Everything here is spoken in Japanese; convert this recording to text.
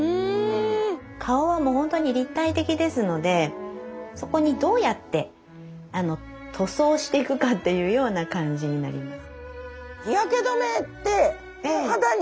顔はもう本当に立体的ですのでそこにどうやって塗装していくかっていうような感じになります。